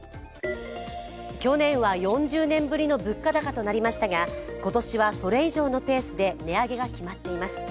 去年は４０年ぶりの物価高となりましたが、今年はそれ以上のペースで値上げが決まっています。